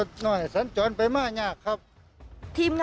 ดูจันทราบกันแทบค่ะ